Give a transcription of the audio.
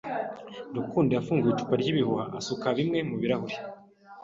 Rukundo yafunguye icupa ryibihuha asuka bimwe mubirahure.